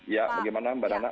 ya bagaimana mbak rana